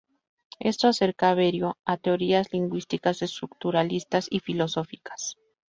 Esto acerca a Berio a teorías lingüísticas, estructuralistas y filosóficas.